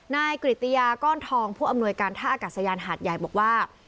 นายกริติยาก้อนทองผู้อำนวยการท่าอากาศยานหาดใหญ่บอกว่า